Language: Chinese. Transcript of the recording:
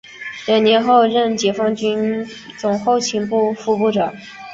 两年后任解放军总后勤部副部长。